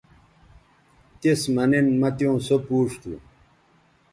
تس مہ نن مہ تیوں سو پوڇ تھو